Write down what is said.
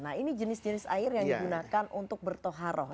nah ini jenis jenis air yang digunakan untuk bertoharoh